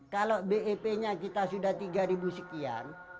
kalau bep nya kita sudah tiga ribu sekian